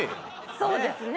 そうですね。